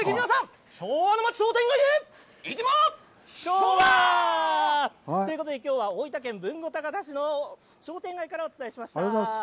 ぜひ皆さん昭和通り商店街へということできょうは大分県豊後高田市の商店街からお伝えしました。